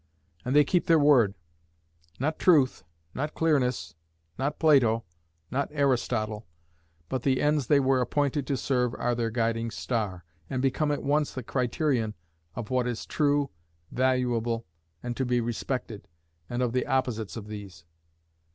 And they keep their word: not truth, not clearness, not Plato, not Aristotle, but the ends they were appointed to serve are their guiding star, and become at once the criterion of what is true, valuable, and to be respected, and of the opposites of these.